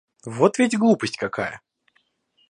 Вот ведь глупость какая!